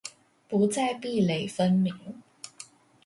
不再壁壘分明